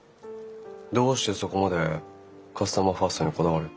どうしてそこまでカスタマーファーストにこだわる？